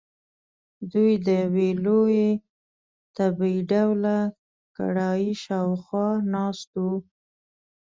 دوی د یوې لویې تبۍ ډوله کړایۍ شاخوا ناست وو.